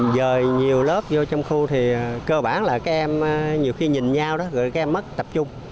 giờ nhiều lớp vô trong khu thì cơ bản là các em nhiều khi nhìn nhau đó rồi các em mất tập trung